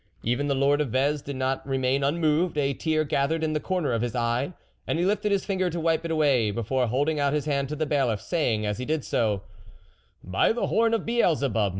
Even the lord oi Vez did not remain unmoved; a tear gathered in the corner of his eye, and he lifted his finger to wipe it away, before holding out nis hand to the Bailiff, saying as he did so :" By the horn of Beelzebub